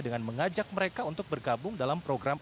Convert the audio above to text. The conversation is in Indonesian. dengan mengajak mereka untuk bergabung dalam program